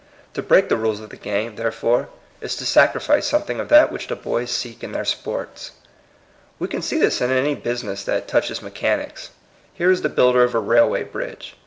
To break the rules of the game, SHORT CUTS TO SUCCESS. 88 therefore, is to sacrifice something of that ^ which the boys seek in their sports. We can see this in any business that touches mechanics. Here is the builder of a railway bridge.